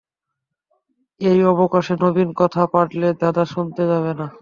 এই অবকাশে নবীন কথা পাড়লে, দাদা, শুতে যাবে না?